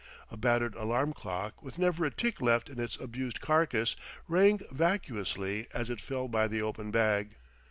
A battered alarm clock with never a tick left in its abused carcass rang vacuously as it fell by the open bag....